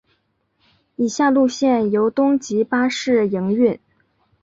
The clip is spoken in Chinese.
以下路线由东急巴士营运。